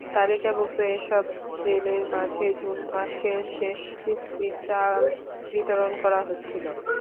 তালিকাভুক্ত এসব জেলের মাঝে জুন মাসের শেষ কিস্তির চাল বিতরণ করা হচ্ছিল।